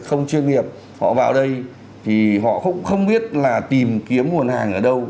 không chuyên nghiệp họ vào đây thì họ cũng không biết là tìm kiếm nguồn hàng ở đâu